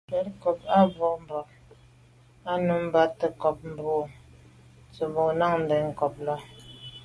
(swatəncob à bwôgmbwə̀ mbwɔ̂ α̂ nǔm bα̌ to’tə ncob boὰ tsə̀ bò nâ’ ndɛ̂n ncob lα.